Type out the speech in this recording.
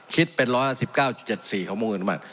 คิดเป็น๑๕๙๗๔ของมงค์เงินออกมา